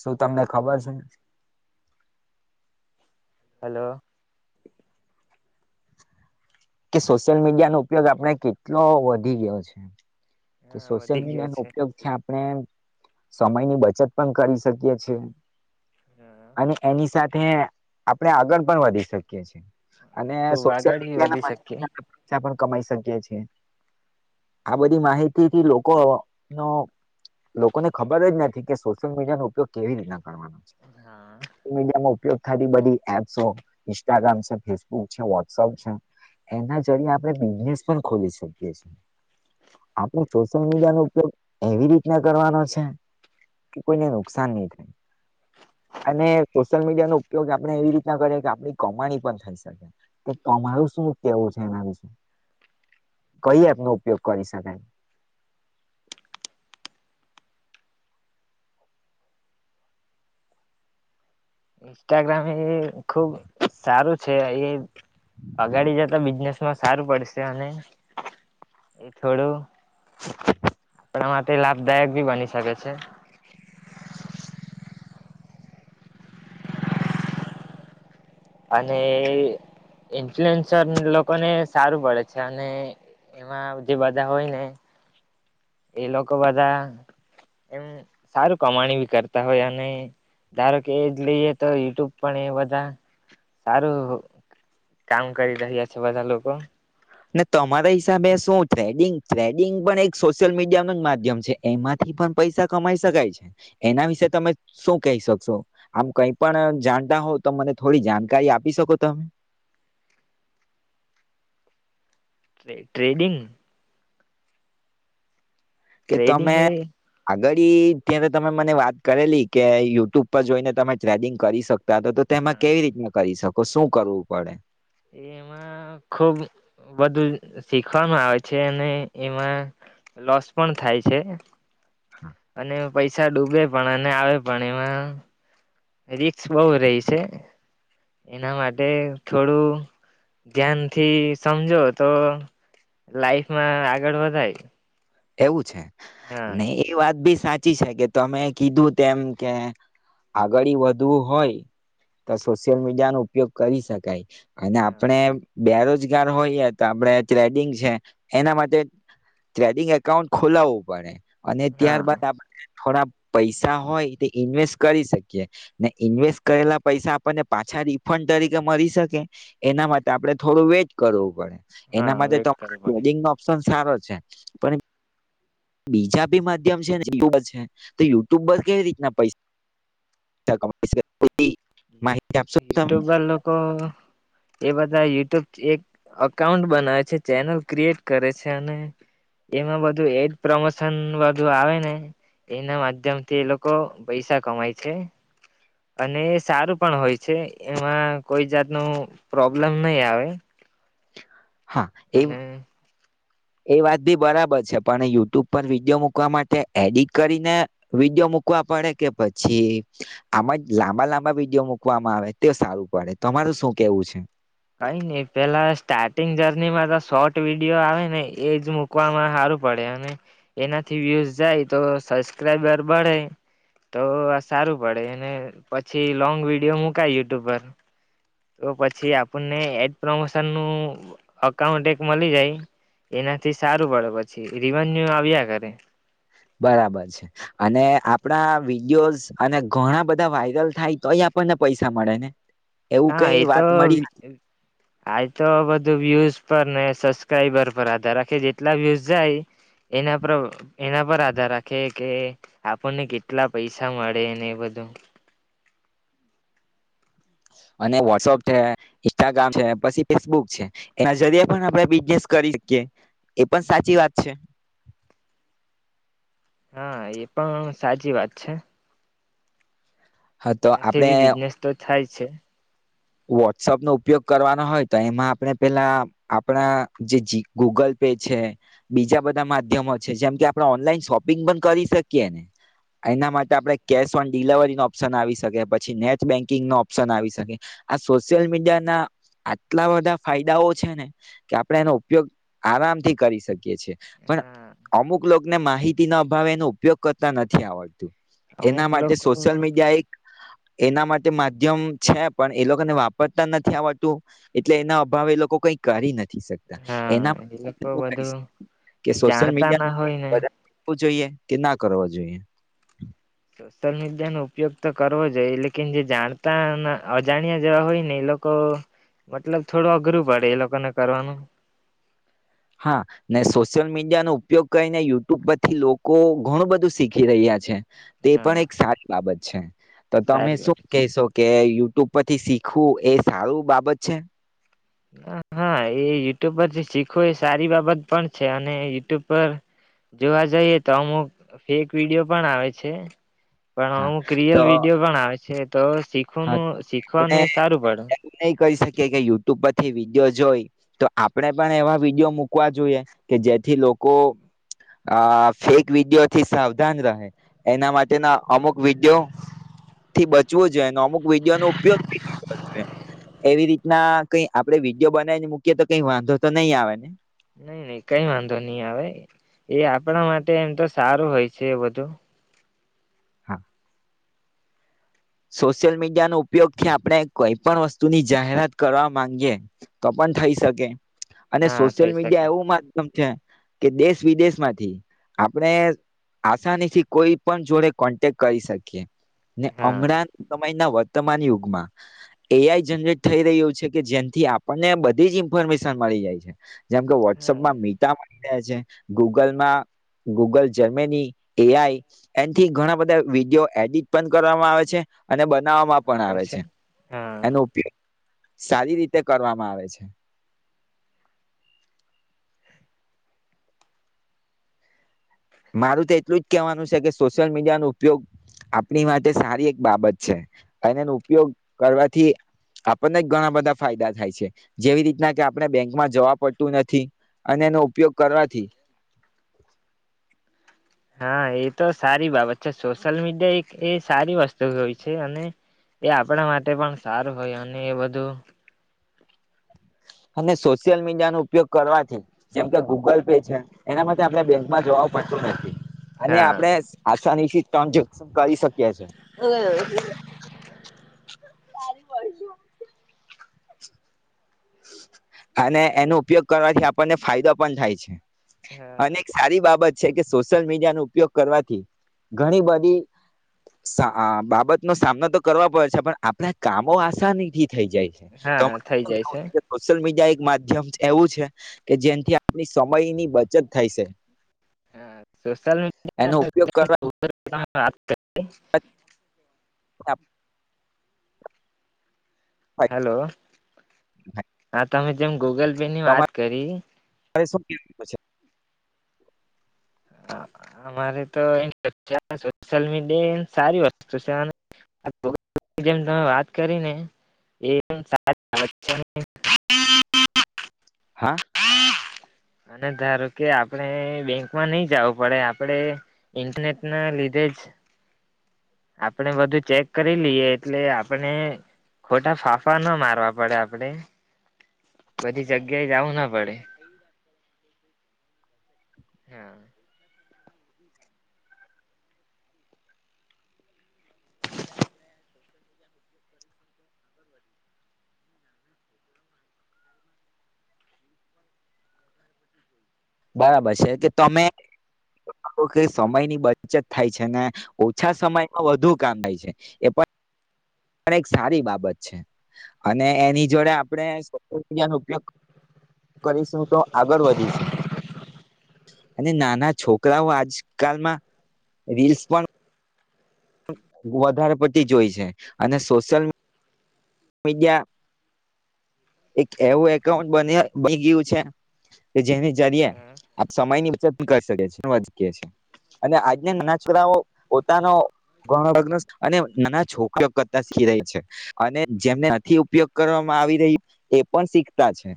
શું તમને ખબર છે હલો કે સોશિયલ મીડિયા નો ઉપયોગ આપણે કેટલો વધી ગયો છે કે હા સોશિયલ વધી ગયો મીડિયા નો છે ઉપયોગથી આપણે સમય ની બચત પણ કરી શકીએ છીએ. હા અને એની સાથે આપડે આગળ પણ વધી શકીએ છે. અને ખુબ સોશિયલ આગળ બી વધી મીડિયાના [unintelligible] શકીએ પૈસા પણ કમાઈ શકીએ છીએ. આ બધી માહિતીથી લોકોનો, લોકોને ખબર જ નથી, કે સોશિયલ મીડિયાનો ઉપયોગ કેવી રીતના હા મીડિયાનો ઉપયોગ આવી બધી એપ્સો, ઇન્સ્ટાગ્રામ છે, ફેસબુક છે, વોટ્સપ છે એના આપણે બિઝનેસ પણ ખોલી શકીએ છીએ, આપણે સોશિયલ મીડિયા નો ઉપયોગ એવી રીતના કરવાનો છે કે કોઈને નુકસાન નહી થાય અને સોશિયલ મીડિયા નો ઉપયોગ આપણે એવી રીતના કરીએ કે આપણી કમાણી પણ થઈ શકે, કમાણું શું કેવું છે એના વિશે કઈ એનો ઉપયોગ કરી શકાય? ઇન્સ્ટાગ્રામ એ ખુબ સારું છે એ. અગાડી જતા બિઝનેસ. સારું પડશે અને એ થોડું. એ માટે તે લાભદાયક બી બની શકે છે. અને ઇન્ફ્લુએન્સર લોકોને સારું પડે છે અને એમાં જે બધા હોય ને. એ લોકો બધા એમ સારું કમાણી બી કરતા હોય અને ધારો કે એ જ લઈએ તો યુટ્યુબ પણ એ બધા સારું કામ કરી રહ્યા છે બધા લોકો. તમારા હિસાબે શું થ્રેડિંગ થ્રેડિંગ પણ એક સોશિયલ મીડિયા ન માધ્યમ છે એમાંથી પણ પૈસા કમાઈ શકાય છે, એના વિશે તમે શું કહી શકશો આમ કઈ પણ જાણતા હોવ તો મને થોડી જાણકારી આપી શકો તમે. ટ્રેડિંગ. કે તમે ટ્રેડિંગ એ આગળ. ત્યારે તમે મને વાત કરેલી કે યુટ્યુબ પર જોઈને તમે ટ્રેડિંગ કરી શક પ તો તો તેમાં હા કેવી રીતના કરી શકો. તો શું કરવું પડે? એમાં ખુબ બધું શીખવાનું આવે છે અને એમાં લોસ પણ થાય છે. અને પૈસા ડૂબે. પણ અને આવે પણ એમાં રિકસ બહુ રહી છે, એના માટે થોડું ધ્યાનથી સમજો તો લાઈફમાં આગળ વધાય. એવું છે. હા નહિ એ વાત બી સા સાચી છે કે તમે કીધું તેમ કે આગળ વધવું હોય તો સોશિયલ મીડિયા નો ઉપયોગ કરી શકાય. અને હા આપણે. બેરોજગાર હોઈએ તો આપડે ટ્રેડિંગ છે એના માટે ટ્રેડિંગ. એકાઉન્ટ ખોલાવવું પડે. અને હા ત્યારબાદ આપણે. થોડા પૈસા હોય તે ઇન્વેસ્ટ કરી શકીએ ને ઈન્વેસ્ટ કરેલા પૈસા આપણને પાછા રિફંડ તરીકે મળી શકે, એના માટે આપણે થોડું વેટ કરવું પડે. એના હા માટે વેટ તો કરવો પડે ટ્રેડિંગ નો ઓપ્શન. સારો છે પણ. બીજા ભી માધ્યમ છે ને યુટુબર છે તો યુટ્યુબર કેવી રીતના પૈસા કમા યુટ્યુબ વા લોકો એ બ યુટ્યુબ એક અઉન્ટ બનાવે છે ચેનલ ક્રિએટ કરે છે, અને એમાં બધું એડ પ્રમોશનુ આવે ને એના માધ્યમથી એ લોકો પૈસા કમાય છે અને. સારું પણ હોય છે એમાં કોઈ જાત ન પ્રોબ્લમ નહી આવે. હા એ. અને એ વાત ભી બરાબર છે પણ યુટ્યુબ પર વિડીયો મૂકવા માટે એડિટ કરીને વિડીયો મુકવા પડે કે પછી આમ જ લાંબા લાંબા વિડીયો મુકવામાં આવે તો સારું પડે તમારું શું કેવું છે? કઈ ન પેલા સ્ટાર્ટિંગ જર્નીમાં તો શોર્ટ વિડીયો આવે ને એજ મુકવામાં સારું પડે અને એનાથી વ્યુઝ જાય તો સબસ્ક્રાઈબર બળે, તો સારું પડે અને પછી લોંગ વિડીયો મુકાય યુટ્યુબ પર. તો પછી આપણને એડ પ્રમોશન નું અકાઉન્ટ એક મળી જાય, એનાથી સારું પડે પછી રિવન્યુ આવ્યા કરે. બરાબર છે. અને આપણા વિડીયોઝ. અને ઘણા બધા વાયરલ થાય તોય આપણને પૈસા મળે ને? એવું હા કઈ એ તો વાત મળી આજ તો બધું વ્યુઝ પર ને સબસ્ક્રાઈબર પર આધાર રાખે જેટલા વ્યુઝ જાય એના પર એના પર આધાર રાખે કે આપણને કેટલા પૈસા મળે ને એ બધું અને વોટસઅપ છે ઇન્સ્ટાગ્રામ છે પછી ફેસબુક છે એના જેરિયે પણ આપણે બિઝનેસ કરી શકીએ એ પણ સાચી વાત છે હા એ પણ સાચી વાત છે હા તો એનાથી બી બિઝનેસ તો થાય છે વોટ્સઅપ નો ઉપયોગ કરવાનો હોય તો એમાં આપણે પેલા આપણા જે ગૂગલ પે છે બીજા બધા માધ્યમો છે જેમ કે આપણે ઓનલાઈન શોપિંગ પણ કરી શકીએ ને એના માટે આપડે કેશ ઓન ડિલવરી નો ઓપ્શન આવી શકે પછી નેટ બેન્કિંગ નો ઓપ્શન આવી શકે આ સોશિયલ મીડિયા ના આટલા બધા ફાયદાઓ છે ને કે આપડે એનો ઉપયોગ આરામથી કરી શકીયએ છેએ પણ હા અમુક લોકોને માહિતી ના અભાવે એનો ઉપયોગ કરતા નથી આવડતું એના અમુક માટે લોકો સોશિયલ મીડિયા એક એના માટે માધ્યમ છે પણ એ લોકોને વાપરતા નથી આવડતું એટલે એના અભાવ એ લોકો કઈ કરી નથી શકતા એના હા એ લોકો [unintelligible] કરી બધું શકતા કે સોશિયલ જાણતા ના હોય ને મીડિયા [inaudible] જોઈએ કે ના કરવો જોઈએ સોશિયલ મીડિયા નો ઉપયોગ તો કરવો જઈએ લેકિન જે જાણતા ન અજાણ્યા જેવા હોય ને એ લોકો મતલબ થોડું અઘરું પડે એ લોકોને કરવાનું હા ને સોશિયલ મીડિયા નો ઉપયોગ કરીને યુટ્યુબ પરથી લોકો ઘણું બધું શીખી રહ્યા છે તે હા પણ એક સારી બાબત છે તો તમે સારી શું વાત છે કહેશો કે યુ ટુબ પરથી શીખવું એ સારુ બાબત છે. હા એ યુટ્યુબ પરથી શીખો એ સારી બાબત પણ છે અને યુટ્યુબ પર જોવા જઈએ તો અમુક ફેક વિડીિયો પણ આવે છે. પણ હા અમુક રિયલ તો વિડીયો પણ આવે છે. તો હા શીખવાનું શીખવાને સારું પડે. નહીં કરી કે યુટ્યુબ પરથી વિડીયો જોઈ તો આપણે પણ એવા વિડીયો મૂકવા જોઈએ કે જેથી લોકો આ ફેક વિડીયો થી સાવધાન રહે એના માટેના અમુક વિડીયોથી બચવું જોઈએ. અમુક વિડીયોનો ઉપયોગ બી ની કરવો જોઈએ. એવી રીતના કઈ આપડે વિડીયો બનાવીને મૂકીએ તો કઈ વાંધો તો નહી આવે ને. નહી નહી કઈ વાંધો નઈ આવે એ આપણા માટે એમ તો સારું હોય છે એ બધું. હા. સોશિયલ મીડિયાનો ઉપયોગથી આપણે કોઈ પણ વસ્તુની જાહેરાત કરવા માંગીયે તો પણ થઈ શકે. અને હા સોશિયલ થઈ શકે મીડિયા એવું માધ કે દેશ વિદેશ માંથી આપણે આસાની થી કોઈ પણ જોડે કોન્ટેક્ટ કરી શકીએ. હા હમણાં વર્તમાન યુગમાં એઆઈ જનરેટ થઈ રહ્યું છે કે જેથી આપણને બધી જ ઇન્ફોર્મેશન મળી જાય છે. જેમ કે હા વોટ્સઅપમાં મિટા. ગૂગલમાં ગૂગલ જર્મની એઆઈ એથી ઘણા બધા વિડીયો એડિટ પણ કર આવે છે. અને બનાવવામાં પણ આવે છે એનો ઉપયોગ. સારી રીતે કરવામાં આવે છે. મારું તો એટલું જ કેવાનું છે કે સોશિયલ મીડિયા ન ઉપયોગ આપણી માટે સારી એક બાબત છે અને એનો ઉપયોગ કરવાથી આપણને જ ઘણા બધા ફાયદા થાય છે જેવી રીતના કે આપણે બેંકમાં જવા પડતું નથી અને એનો ઉપયોગ કરવાથી. હા એ તો સારી બાબત છે સોશિયલ મીડિયા એક એ સારી વસ્તુ હોય છે અને એ આપણા માટે પણ સારું હોય અને એ બધું. અને સોશિયલ મીડિયાનો ઉપયોગ કરવાથી જેમ કે ગૂગલ પે છે. એના માટે આપણે બેંકમાં જવા. પટતું નથી અને હા આપડે આસાની થી ટ્રન્ઝેક્શન કરી શક છે. [inaudible] અને એનો ઉપયોગ કરવાથી આપ. આપણ ને ફાયદો પણ થાય છે. અને હા એક સારી બાબત. છે કે સોશિયલ મીડિયા ન ઉપયોગ કરવાથી ઘણી બધી સ આ બાબતનો સામનો તો કરવા પડે છે પણ આપણા કામો આશાથી થઈ જાય છે. હા થઈ જાય છે [unintelligible] સોશિયલ મીડિયા એક માધ્યમ એવું છે કે જેનાથી આપણી સમયની બચત થાય છે. હા. સોશલ એનો ઉપયોગ કરવા મીડિયા. [unintelligible] [unintelligible] આપ હેલો તમે કેમ ગૂગલ પે ની વાત તમારે કરી [unintelligible] હ અમારે તોયલ મીડિયા સારી વસ્તુ છે જેમ તમે વાત કરીને એ હા અને ધારો કે આપણે બેંકમાં નઈ જવું પડે આપણેે ઈન્ટરનેટ ના લીધે જ આપણેે બધું ચેક કરી લઈએ એટલે આપણે ખોટા ફાફા ના મારવા પડે આપણે બધી જગ્યાએ જવું ના પડે હા બરાબર છે કે તમે કે સમયની બચત થાય છે ને ઓછા સમયમાં વધુ કામ થાય છે એ પણ એક સારી બાબત છે અને એની જોડે આપણે સોશલ મીડિયાનો ઉપયોગ કરીશું તો આગળ વધીશું અને નાના છોકરાઓ આજકાલમાં રીલ્સ પણ વધારે પડતી જોય છે અને સોશિયલ મીડિયા એક એવું એકાઉન્ટ બ બની ગયું છે કે જેની જરીે આપ સમયની બચત કરી શકે છ વધકી અને આજના નાના છોકરાઓ પોતાનો અને નાના છોકરી કરતા શીખી રહી હે અને જેમને નથી ઉપયોગ કરવામાં આવી રહી એ પણ શીખતા છે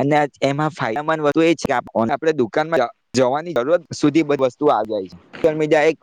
અને એમાં ફાયદાંદસ્તુ એ છે આપ દુકાનમાં જવાની જરૂર સુધીધ વસ્તુ આવી જાય છે સોશ્યિલ મીડિયા એક